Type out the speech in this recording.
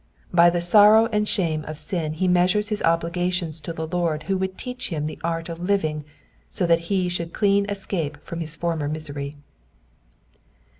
By the sorrow and shame of sin he measures his obligations to the Lord who would teach him the art of living 80 thit he should clean escape from his former misery.